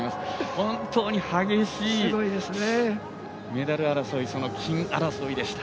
本当に激しいメダル争い金争いでした。